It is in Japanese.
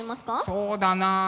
そうだな。